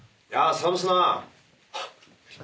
サムスナ」